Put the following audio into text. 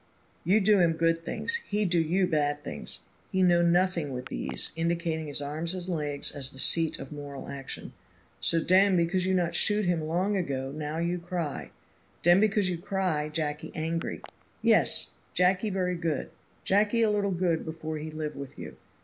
You do him good things he do you bad things; he know nothing with these (indicating his arms and legs as the seat of moral action), so den because you not shoot him long ago now you cry; den because you cry Jacky angry. Yes, Jacky very good. Jacky a little good before he live with you.